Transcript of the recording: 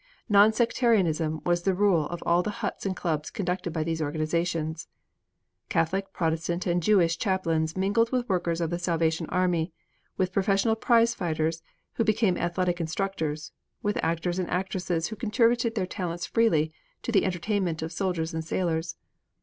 Non sectarianism was the rule in all of the huts and clubs conducted by these organizations. Catholic, Protestant and Jewish chaplains mingled with workers of the Salvation Army, with professional prize fighters who became athletic instructors, with actors and actresses who contributed their talents freely to the entertainment of soldiers and sailors.